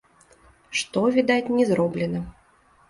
Што, відаць, не зроблена.